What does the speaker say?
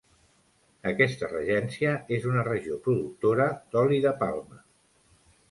Aquesta regència és una regió productora d'oli de palma.